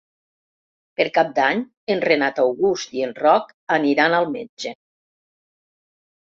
Per Cap d'Any en Renat August i en Roc aniran al metge.